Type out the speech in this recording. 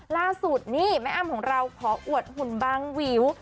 ล่าสุดนี่แม่อ้ำของเราขออวดหุ่นบางวิว